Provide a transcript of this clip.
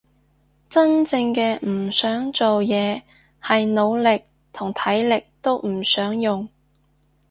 真正嘅唔想做嘢係腦力同體力都唔想用